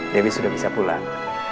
dewi sudah bisa pulang